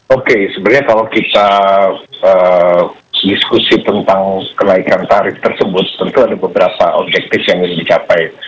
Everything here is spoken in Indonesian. oke sebenarnya kalau kita diskusi tentang kenaikan tarif tersebut tentu ada beberapa objektif yang ingin dicapai